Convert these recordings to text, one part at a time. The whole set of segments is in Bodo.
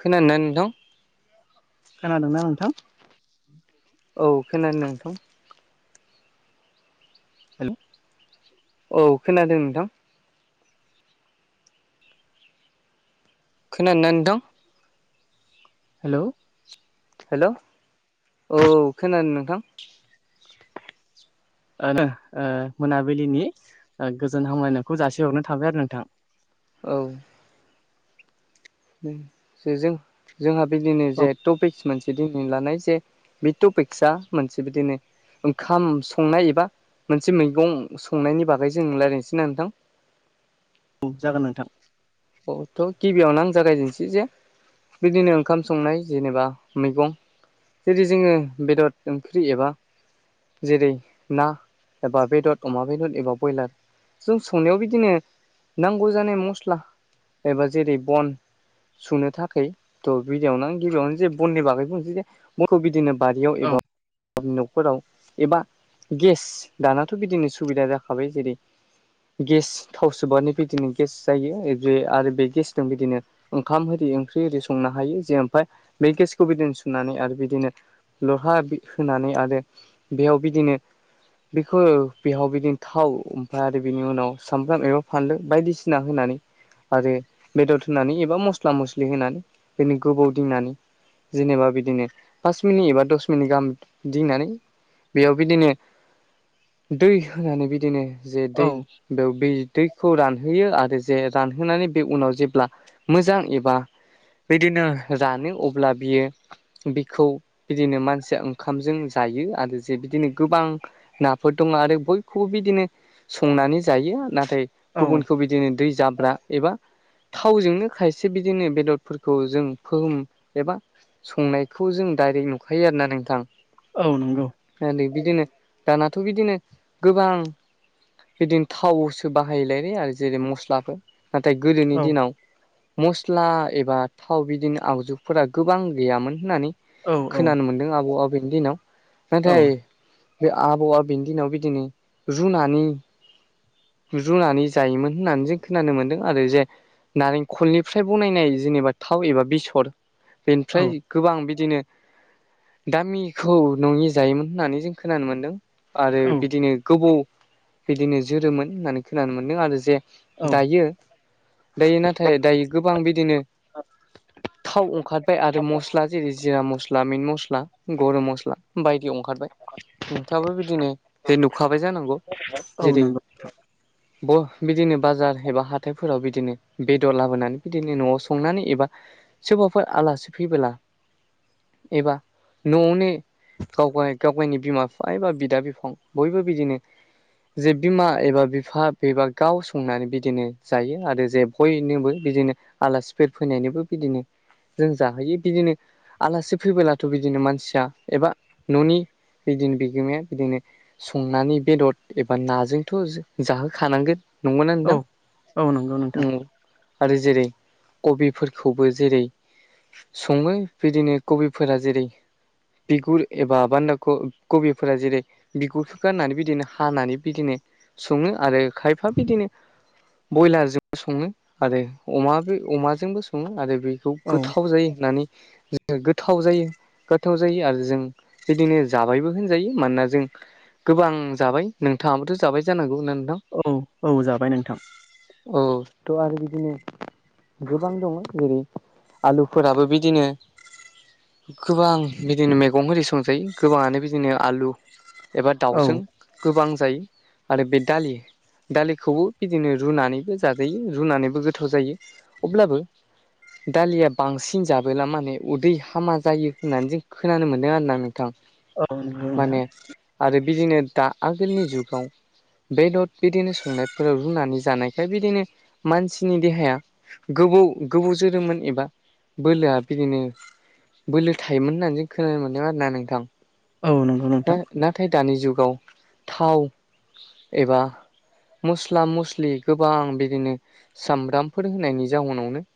खोनादों ना नोंथां? खोनादों ना नोंथां? औ खोनादों नोंथां। हेल' औ खोनादों नोंथां। खोनादों ना नोंथां? हेल' हेल' औ खोनादों नोंथां। मोनाबिलिनि गोजोन हामलायनायखौ जासेहरनो थाबाय आरो नोंथां। औ ज जों जोंहा बिदिनो औ जे टपिक्स मोनसे बिदि लानाय जे बे टपिक्सा मोनसे बिदिनो ओंखाम संनाय एबा मोनसे मैगं संनायनि बागै जों रायज्लायनोसै ना नोंथां। औ जागोन नोंथां। औ थ' गिबियावनो आं जागायजेनसै जे बिदिनो ओंखाम संनाय जेनेबा मैगं जुदि जोङो बेदर ओंख्रि एबा जेरै ना एबा बेदर अमा बेदर एबा ब्रयलार जों संनायाव बिदिनो नांगौ जानाय मस्ला एबा जेरै बन सुनो थाखाय थ' बिदियावनो आं गिबियावनो जे बननि बागै बुंनोसै जे बनखौ बिदिनो बारियाव औ एबा न'खराव एबा गेस दानाथ' बिदिनो सुबिदा जाखाबाय जेरै गेस थाव सोबानो बिदिनो गेस जायो। जे आरो बे गेसजों बिदिनो ओंखाम आररि ओंख्रि एरि संनो हायो जे ओमफ्राय बे गेसखौ बिदिनो सुनानै आरो बिदिनो लहा होनानै आरो बेयाव बिदिनो बेखौ बेहाव बिदिनो थाव ओमफ्राय आरो बिनि उनाव सामब्राम एबा फानलु बायदिसिना होनानै आरो बेदर होनानै एबा मस्ला मस्लि होनानै दिनै गोबाव दिंनानै जेनेबा बिदिनो पास मिनिट एबा दस मिनिट गाहाम दिंनानै बेयाव बिदिनो दै होनानै बिदिनो जे औ दै बेयाव बे दैखौ रानहोयो आरो जे रानहोनानै बे उनाव जेब्ला मोजां एबा बिदिनो जानो अब्ला बियो बिखौ बिदिनो मानसिया ओंखामजों जायो आरो जे बिदिनो गोबां नाफोर दङ आरो बयखौबो बिदिनो संनानै जायो नाथाय औ गुबुनखौ बिदिनो दै जाब्रा एबा थावजोंनो खायसे बिदिनो बेदरफोरखौ जों फोहोम एबा संनायखौ जों डाइरेक्ट नुखायो आरो ना नोंथां। औ नंगौ नाथाय बिदिनो दानाथ' बिदिनो गोबां बिदिनो थावसो बाहायोलाय आरो जेरै मस्लाफोर नाथाय गोदोनि औ दिनाव मस्ला एबा थाव बिदिनो आगजुफोरा गोबां गैयामोन होननानै औ औ खोनानो मोनदों आबौ आबैनि दिनाव। नाथाय बे आबौआ बेनि दिनाव बिदिनो रुनानै रुनानै जायोमोन होननानै जों खोनानो मोन्दों आरो जे नारेंखलनिफ्राय बनायनाय जेनेबा थाव एबा बेसर औ बेनिफ्राय गोबां बिदिनो दामिखौ नङि जायोमोन होननानै जों खोनानो मोन्दों आरो औ बिदिनो गोबौ बिदिनो जोरोमोन होननानै खोनानो मोनदों आरो जे औ दायो दायो नाथाय दायो गोबां बिदिनो थाव ओंखारबाय आरो मस्ला जेरै जिरा मस्ला मिट मस्ला गरम मस्ला बायदि ओंखारबाय नोंथाङाबो बिदिनो जे नुखाबाय जानांगौ औ जेरै नंगौ ओ बिदिनो बाजार एबा हाथाइफोराव बिदिनो बेदर लाबोनानै बिदिनो न'आव संनानै एबा सोरबाफोर आलासि फैबोला एबा न'आवनो गाव गाव गावनि बिमा बिफा एबा बिदा बिफां बयबो बिदिनो जे बिमा एबा बिफा बेबा गाव संनानै बिदिनो जायो आरो जे बयनोबो बिदिनो आलासिफोर फैनायनिबो बिदिनो जों जाहोयो बिदिनो आलासि फैबोब्लाथ' बिदिनो मानसिया एबा न'नि बिदिनो बिगोमाया बिदिनो संनानै बेदर एबा नाजोंथ' जाहोखानांगोन नंगौना औ औ नंगौ नोंथां नोंथां ओम आरो जेरै कबिफोरखौबो जेरै सङो बिदिनो कबिफोरा जेरै बिगुर एबा बान्दा कबिफोरा जेरै बिगुरखौ गारनानै बिदिनो हानानै बिदिनो सङो आरो खायफा बिदिनो बयलारजोंबो सङो आरो अमा अमाजोंबो सङो आरो बे खौ औ गोथाव जायो होननानै गोथाव जायो गोथाव जायो आरो जों बिदिनो जाबायबो होनजायो मानोना जों गोबां जाबाय नोंथाङाबोथ' जाबाय जानांगौ ना नोंथां औ औ जाबाय नोंथां औ थ' आरो बिदिनो गोबां दङ जेरै आलुफोराबो बिदिनो गोबां बिदिनो मैगं फोरखौ संजायो गोबाङानो बिदिनो आलु एबा औ दाउजों गोबां जायो आरो बे दालि दालिखौबो बिदिनो रुनानैबो जाजायो रुनानैबो गोथाव जायो अब्लाबो दालिया बांसिन जाबोला माने उदै हामा जायो होननानै जों खोनानो मोन्दों आरो ना नोंथां औ नंगौ नोंथां माने आरो बिदिनो दा आगोलनि जुगाव बेदर बिदिनो संनायफोराव रुनानै जानायखाय बिदिनो मानसिनि देहाया गोबौ गोबौ जोरोममोन एबा बोलोआ बिदिनो बोलो थायोमोन होननानै जों खोनानो मोनदों आरोना नोंथां औ नंगौ नोंथां नाथाय दानि जुगाव थाव एबा मस्ला मस्लि गोबां बिदिनो सामब्रामफोर होनायनि जाहोनावनो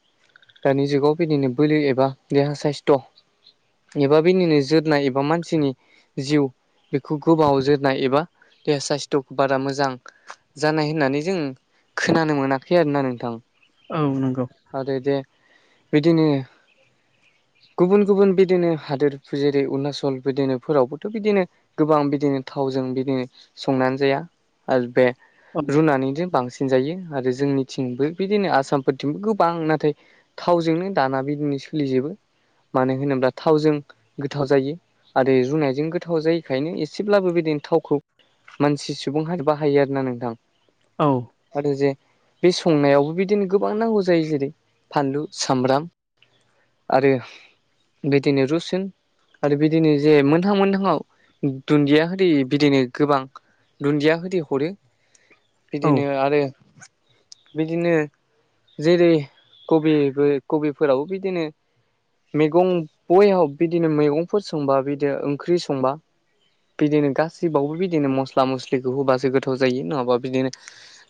दानि जुगाव बिदिनो बोलो एबा देहा साइस्थ' एबा बिनिनो जोरनाय एबा मानसिनि जिउ बेखौ गोबाङाव जोरनाय एबा देहा साइस्थ'खौ बारा मोजां जानाय होननानै जों खोनानो मोनाखै आरोना नोंथां औ नंगौ आरो दे बिदिनो गुबुन गुबुन बिदिनो हादोर जेरै अरुणाचल बिदिनोफोरावबो थ' बिदिनो गोबां बिदिनो थावजों बिदिनो संनानै जाया आलपे औ रुनानैजों बांसिन थिनजायो आरो जोंनिथिंबो बिदिनो आसामफोरथिंबो गोबां नाथाय। थावजोंनो दाना बिदिनो सोलिजोबो। मानो होनोब्ला थावजों गोथाव जायो आरो रुनायजों गोथाव थाव जायैखायनो एसेब्लाबो बिदिनो थावखौ मानसि सुबुंहा बाहायो आरोना नोंथां। औ। आरो जे बे संनायावबो बिदिनो गोबां नांगौ जायो जेरै फानलु सामब्राम आरो बिदिनो रुसिन आरो बिदिनो जे मोनहां मोनहांङाव दुन्दिया हो बिदिनो गोबां दुन्दिया होदो हरो औ बिदिनो आरो बिदिनो जेरै कबिबो कबिफोरावबो बिदिनो मैगं बयहाब बिदिनो मैगंफोर संबा बिदिनो ओंख्रि संबा बिदिनो गासैबावबो बिदिनो मस्ला मस्लिखौ होबासो गोथाव जायो नङाबा बिदिनो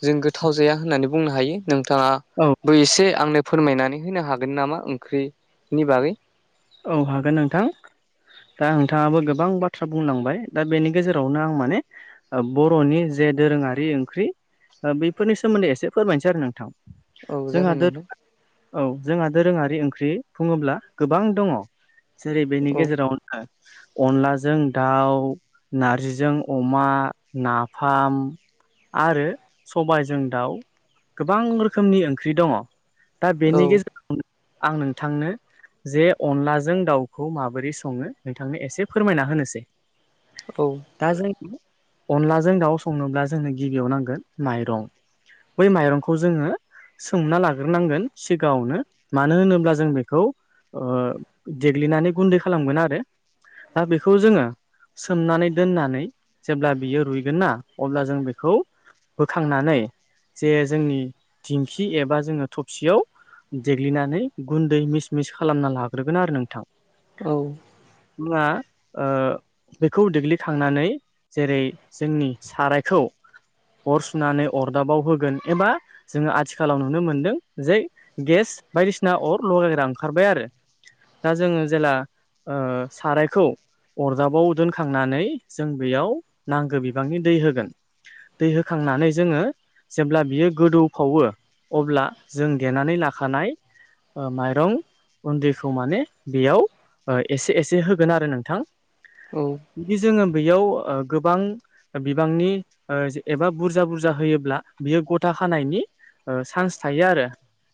जों गोथाव जाया होननानै बुंनो हायो। नोंथाङा औ बो एसे आंनो फोरमायनानै होनो हागोन नामा ओंख्रिनि बागै। औ हागोन नोंथां दा नोंथाङाबो गोबां बा थ्रा बुंलांबाय दा बेनि गेजेरावनो आं माने बर'नि जे दोरोङारि ओंख्रि बेफोरनि सोमोन्दै एसे फोरमायनोसै आरो नोंथां। औ जोंहा जागोन दो नोंथां औ जोंहा दोरोङारि ओंख्रि बुङोब्ला गोबां दङ जेरै बेनि औ गेजेरावनो अनलाजों दाउ नारजिजों अमा नाफाम आरो सबायजों दाउ गोबां रोखोमनि ओंख्रि दङ। दा औ बेनि गेजेराव आं नोंथांनो जे अनलाजों दाउखौ माबोरै सङो नोंथांनो एसे फोरमायना होनोसै। औ। दा जों अनलाजों दाउ संनोब्ला जोंनो गिबियाव नांगोन माइरं बै माइरंखौ जोङो सोंना लाग्रोनांगोन सिगाङावनो मानो होनोब्ला जों बेखौ देग्लिनानै गुन्दै खालामगोन आरो दा बेखौ जोङो सोमनानै दोननानै जेब्ला बियो रुइगोन ना अब्ला जों बेखौ बोखांनानै जे जोंनि दिंखि एबा जोङो थबसियाव देग्लिनानै गुन्दै मिस मिस खालामना लाग्रोगोन आरो नोंथां। औ। मुंङा ओ। बेखौ देग्लिखांनानै जेरै जोंनि सारायखौ अर सुनानै अरदाबाव होगोन एबा जोङो आथिखालाव नुनो मोनदों जे गेस बायदिसिना अर लगायग्रा ओं आरो दा जोङो जेला सारायखौ अरदाबाव दोनखांनानै जों बेयाव नांगौ बिबांनि दै होगोन। दै होखांनानै जोङो जेब्ला बियो गोदौफावो अब्ला जों देनानै लाखानाय ओ माइरं गुन्दैखौ माने बेयाव एसे एसे होगोन आरो नोंथां। औ। बिदि जोङो बेयाव गोबां बिबांनि एबा बुरजा बुरजा होयोब्ला बियो गथा खानायनि चान्स थायो आरो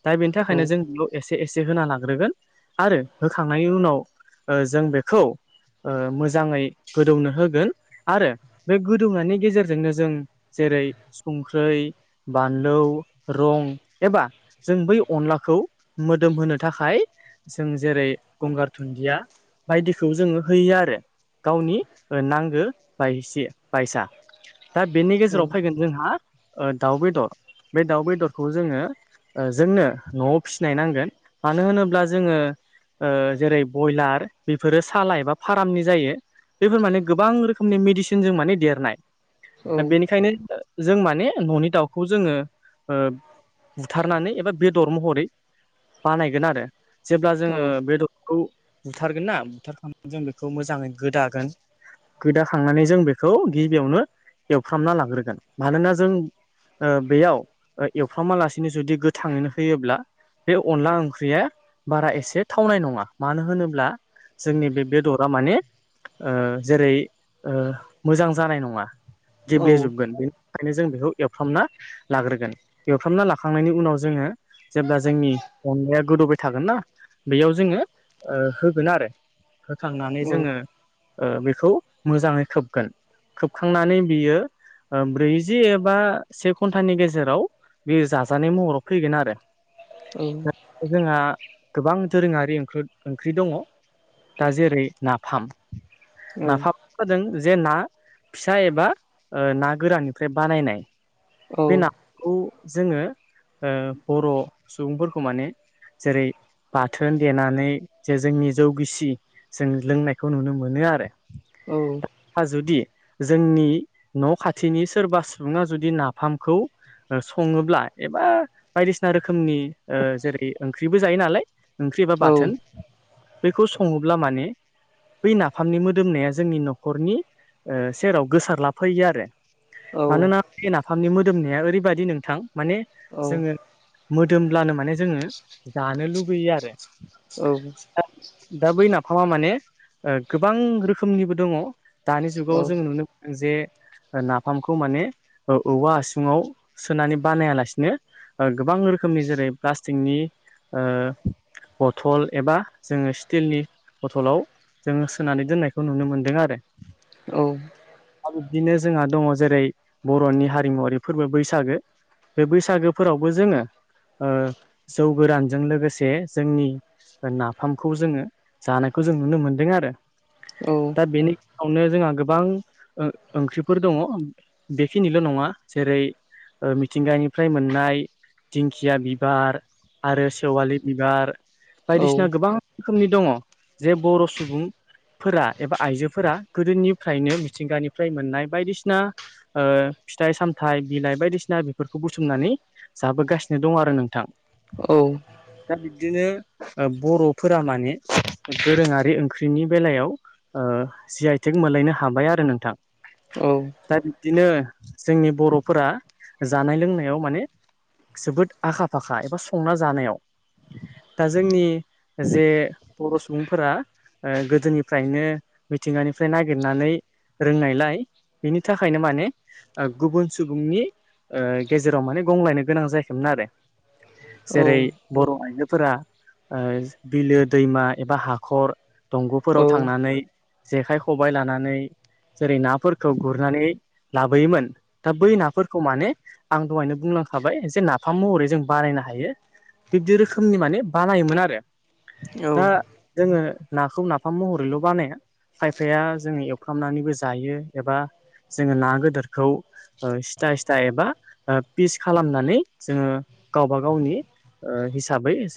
दा बेनि औ थाखायनो जों बेखौ एसे एसे होना ला ग्रोगोन आरो होखांनायनि उनाव जों बेखौ ओ मोजाङै गोदौनो होगोन आरो बे गोदौनायनि गेजेरजोंनो जों जेरै संख्रै बानलौ रं एबा जों बै अनलाखौ मोदोम होनो थाखाय जों जेरै गंगार दुन्दिया बायदिखौ जोङो होयो आरो गावनि नांगो बायसि बायसायो दा बेनि औ गेजेराव फैगोन जाहा दाउ बेदर बे दाउ बेदरखौ जोङो जोंनो न'आव फिसिनाय नांगोन। मानो होनोब्ला जोङो ओ जेरै बयलार बेफोरो सालाय एबा फारामनि जायो बेफोर माने गोबां रोखोमनि मेडिसिन जों माने देरनाय औ दा बेनिखायनो ओ जों माने न'नि दाउखौ जोङो बुथारनानै एबा बेदर महरै बानायगोन आरो। जेब्ला जोङो बेदरखौ बुथारगोन ना बुथारखांनानै जों बेखौ मोजाङै गोदागोन। गोदाखांनानै जों बेखौ गिबियावनो एवफ्रामना लाग्रोगोन मानोना जोंङो बेयाव एवफ्रामालासिनो जुदि गोथाङैनो होयोब्लायो अनला ओंख्रिया बारा एसे थावनाय नङा मानो होनोब्लायो जोंनि बे बेदरा माने ओ जेरै ओ मोजां जानाय नङा औ गेब्लेजोबगोन। ओंखायनो जों बेखौ एवफ्रामनानै लाग्रोगोन एवफ्रामना लाखांनायनि उनाव जोङो जेब्ला जोंनि अनलाया गोदौबाय थागोन ना बेयाव जोङो ओ होगोन आरोना होखांनानै जोङो ओ बेखौ मोजाङै खोबगोन। खोबखांनानै बियो ओ ओ ब्रैजि एबा से घन्टानि गेजेराव बे जाजानाय महराव फैगोन आरो ना ओम जोंहा गोबां दोरोङारि ओंख्रि दङ। दा जेरै नाफाम नाफामा जादों जे ना फिसा एबा ओ ना गोराननिफ्राय बानायनाय बे औ नाखौ जोङो ओ बर' सुबुंफोरखौ माने ओ जेरै बाथोन देनानै जे जोंनि जौ गिसि जों लोंनायखौ नुनो मोनो आरो। औ। जुदि जोंनि न' खाथिनि सोरबा सुबुङा जुदि नाफामखौओ सङोब्ला एबा बायदिसिना रोखोमनि ओ जेरै ओंख्रिबो जायो नालाय ओंख्रि एबा बाथोन बेखौ सङोब्ला माने बै नाफामनि मोदोमनाया जोंनि न'खरनि ओ सेराव गोसारलाफैयो आरोना मानोना बे नाफामनि मोदोमनाया ओरैबादि नोंथां माने जोङो मोदोमब्लानो माने जोङो जानो लुबैयो आरो। औ। दा बै नाफामा माने ओ गोबां रोखोमनिबो दङ। दानि जुगाव जों नुनो मोनदों जे नाफामखौ माने औवा हासुङावो सोनानै बानाया लासिनो ओ गोबां रोखोमनि जेरै प्लास्टिकनि ओ बथ'ल एबा जोङो स्टिलनि बथ'लावना जोङो सोनानै दोननायखौ नुनो मोन्दों आरो। दा बिब्दिनो जोंहा दङ' जेरै बर'नि हारिमुवारि फोरबो बैसागोनि बे बैसागोफोरावबो जोङो ओ जौ गोरानजों लोगोसे जोंनि नाफामखौ जोङो जानायखौ जों नुनो मोनदों आरो। दा बेनि उनावनो जोंहा गोबां ओ ओंख्रिफोर दङ। बेखिनिल' नङा जेरै ओ मिथिंगानिफ्राय मोननाय दिंखिया बिबार आरो सेवालि बिबार बायदिसिना गोबां रोखोमनि दङ जे बर' सुबुंफो फोरा एबा आइजोफोरा गोदोनिफ्रायनो मिथिंगानिफ्राय मोननाय बायदिसिना ओ फिथाइ-सामथाइ बिलाइ बायदिसिना बेफोरखौ बुथुमनानैहा जाबोगासिनो दं आरो नोंथां। औ दा बिबदिनो ओ बर'फोरा माने दोरोङारि ओंख्रिनि बेलायाव ओ जि आइ थेक मोनलायनो हाबाय आरो नोंथां औ दा बिब्दिनो जोंनि बर'फोरा जानाय-लोंनायाव माने जोबोद आखा फाखा एबा संना जानायाव दा जोंनि जे बर' सुबुंफोरा ओ गोदोनिफ्रायनो मिथिंगानिफ्राय नागिरनानै रोंनायलाय बिनि थाखायनो माने ओ गुबुन सुबुंनि ओ गेजेराव माने गंलायनो गोनां जायाखैमोन आरो जेरै बर' आइजोफोरा बिलो दैमा एबा हाखर दंग'फोराव औ थांनानै जेखाइ खबाय लानानै जेरै नाफोरखौ गुरनानै लाबोयोमोन दा बै नाफोरखौ माने आं दहायनो बुंलांखाबाय जे नाफाम महरै जों बारायनो हायो बिब्दि रोखोमनि माने बानायोमोन आरो औ दा जोङो नाखौ नाफाम महरैल' बानाया खायफाया जोङो एवफ्रामनानैबो जायो एबा जोङो ना गोदोरखौ सिथा सिथा एबा पिस खालामनानै जोङो गावबा गावनि हिसाबै